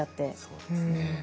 そうですね。